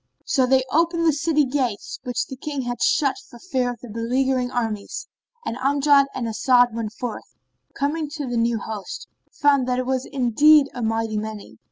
So they opened the city gates, which the King had shut for fear of the beleaguering armies, and Amjad and As'ad went forth and, coming to the new host, found that it was indeed a mighty many.